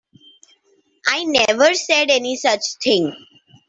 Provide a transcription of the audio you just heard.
I never said any such thing.